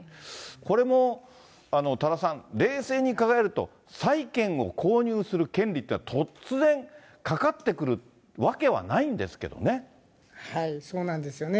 これも、多田さん、冷静に考えると、債権を購入する権利ってのは、突然かかってくるわけはないんですそうなんですよね。